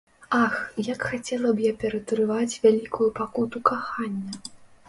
Ах, як хацела б я ператрываць вялікую пакуту кахання!